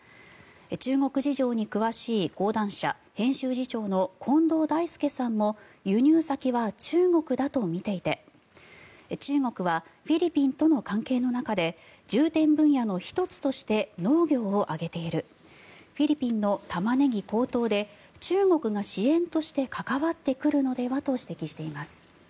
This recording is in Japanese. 中国事情に詳しい講談社編集次長の近藤大介さんも輸入先は中国だとみていて中国はフィリピンとの関係の中で重点分野の１つとして農業を挙げているフィリピンのタマネギ高騰で中国が支援として関わってくるのではと指摘しています。